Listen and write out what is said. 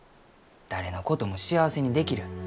誰のことも幸せにできる。